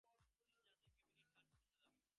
তিনি জানতেন কেবিনেটটি কার হাতে সাজানো।